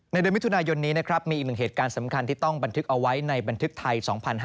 เดือนมิถุนายนนี้นะครับมีอีกหนึ่งเหตุการณ์สำคัญที่ต้องบันทึกเอาไว้ในบันทึกไทย๒๕๕๙